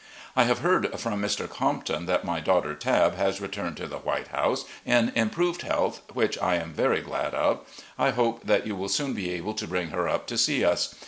... I have heard from Mr. Compton that my daughter Tabb has returned to the White House in improved health, which I am very glad of. I hope that you will soon be able to bring her up to see us.